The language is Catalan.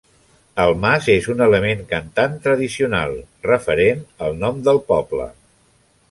El mas és un element cantant tradicional, referent al nom del poble.